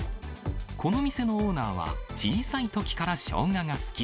この店のオーナーは、小さいときからショウガが好き。